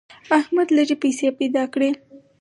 احمد لږې پیسې پیدا کړې.